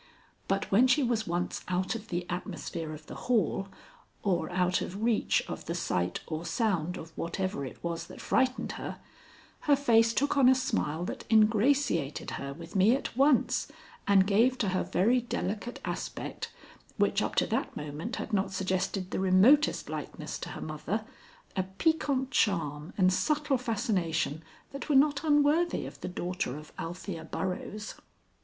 But when she was once out of the atmosphere of the hall, or out of reach of the sight or sound of whatever it was that frightened her, her face took on a smile that ingratiated her with me at once and gave to her very delicate aspect, which up to that moment had not suggested the remotest likeness to her mother, a piquant charm and subtle fascination that were not unworthy of the daughter of Althea Burroughs.